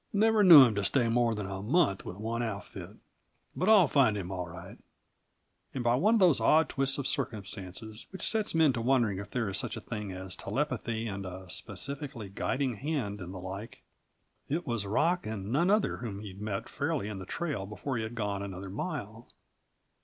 Never knew him to stay more than a month with one outfit. But I'll find him, all right!" And by one of those odd twists of circumstances which sets men to wondering if there is such a thing as telepathy and a specifically guiding hand and the like, it was Rock and none other whom he met fairly in the trail before he had gone another mile.